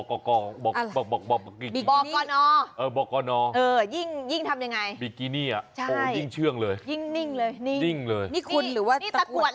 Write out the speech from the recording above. เออบีกินี่อ่ะนิ่งเชื่องเลยยิ่งนิ่งเลยนิ่งนิทร์ควรหรือคุณ